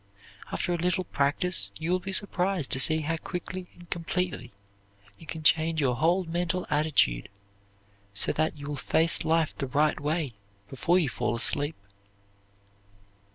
After a little practise, you will be surprised to see how quickly and completely you can change your whole mental attitude so that you will face life the right way before you fall asleep.